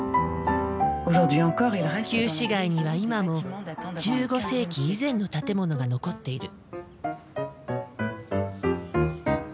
旧市街には今も１５世紀以前の建物が残っている。